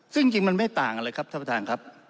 ซึ่งจริงมันไม่ต่างกันเลยครับท่านประธานครับ